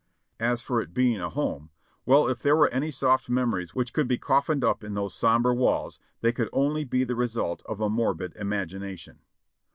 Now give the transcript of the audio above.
As for it being a home — well, if there were any soft memories which could be coffined up in those sombre walls, they could only be the result of a morbid imagination.